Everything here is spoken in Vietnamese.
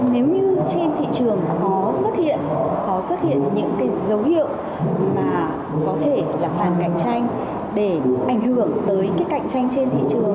nếu như trên thị trường có xuất hiện những dấu hiệu mà có thể là phản cạnh tranh để ảnh hưởng tới cạnh tranh trên thị trường